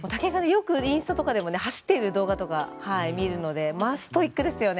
よくインスタとかでも走っている動画とか見るのでストイックですよね。